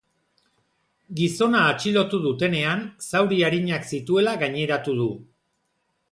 Gizona atxilotu dutenean zauri arinak zituela gaineratu du.